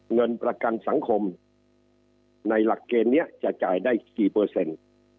เงินประกันสังคมในหลักเกณฑ์นี้จะจ่ายได้กี่เปอร์เซ็นต์